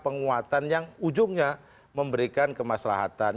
penguatan yang ujungnya memberikan kemaslahatan